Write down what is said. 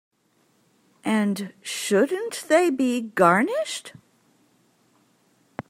And shouldn't they be garnished?